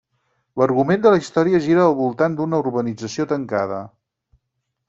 L'argument de la història gira al voltant d'una urbanització tancada.